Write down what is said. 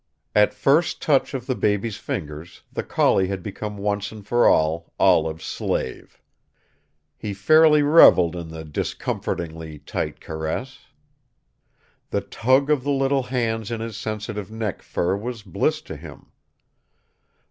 At first touch of the baby's fingers the collie had become once and for all Olive's slave. He fairly reveled in the discomfortingly tight caress. The tug of the little hands in his sensitive neck fur was bliss to him.